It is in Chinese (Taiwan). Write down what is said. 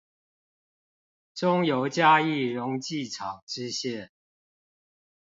中油嘉義溶劑廠支線